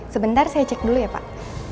sebentar saya cek dulu ya pak